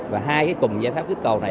và hai cùng giá pháp kích cầu này